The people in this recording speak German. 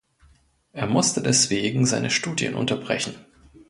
Er musste deswegen seine Studien unterbrechen.